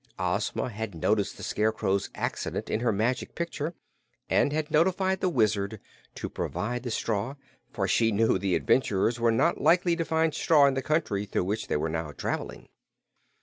Ozma had noticed the Scarecrow's accident in her Magic Picture and had notified the Wizard to provide the straw, for she knew the adventurers were not likely to find straw in the country through which they were now traveling.